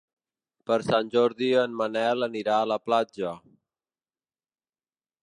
Per Sant Jordi en Manel anirà a la platja.